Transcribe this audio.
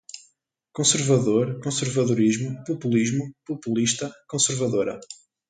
Conservador, conservadorismo, populismo, populista, conservadora